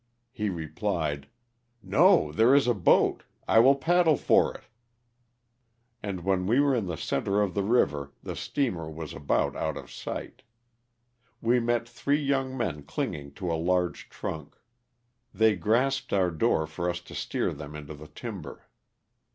^ He replied, ^'no, there is a boat; I will paddle for it.'* And when we were in the center of the river the steamer was about out of sigjht. We met three young men clinging to a large trunk; they grasped our door for us to steer them into the timber.